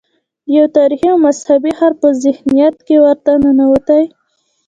د یو تاریخي او مذهبي ښار په ذهنیت کې ورته ننوتي.